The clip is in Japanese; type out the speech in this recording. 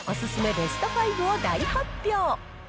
ベスト５を大発表。